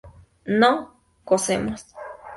no cocemos